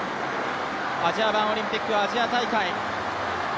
アジア版オリンピック、アジア大会。